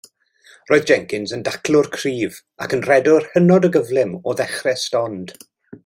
Roedd Jenkins yn daclwr cryf ac yn rhedwr hynod o gyflym o ddechrau stond.